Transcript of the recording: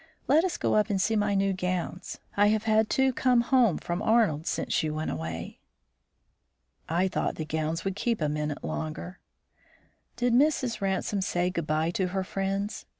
Let us go up and see my new gowns. I have had two come home from Arnold's since you went away." I thought the gowns would keep a minute longer. "Did Mrs. Ransome say good by to her friends?"